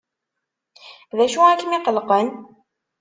D acu ay kem-iqellqen?